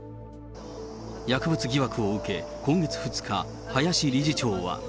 薬物疑惑を受け、今月２日、林理事長は。